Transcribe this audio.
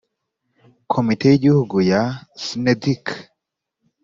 komite y igihugu ya syneduc